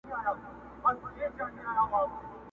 چي قلم لا څه لیکلي جهان ټول راته سراب دی.!